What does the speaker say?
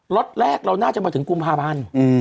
็อตแรกเราน่าจะมาถึงกุมภาพันธ์